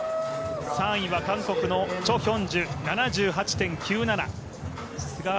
３位は韓国のチョ・ヒョンジュ、７８．９７、菅原